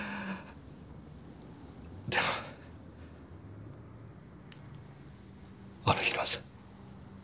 でもあの日の朝。